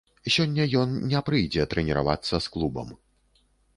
Сёння ён не прыйдзе трэніравацца з клубам.